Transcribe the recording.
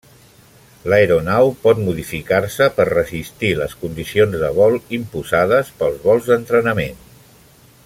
L'aeronau pot modificar-se per resistir les condicions de vol imposades pels vols d'entrenament.